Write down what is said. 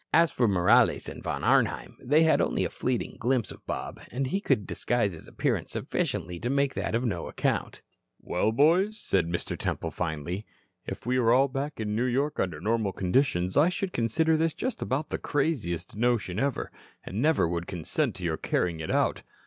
As for Morales and Von Arnheim they had had only a fleeting glimpse of Bob and he could disguise his appearance sufficiently to make that of no account. "Well, boys," said Mr. Temple finally, "if we all were back in New York under normal conditions I should consider this just about the craziest notion ever, and never would consent to your carrying it out.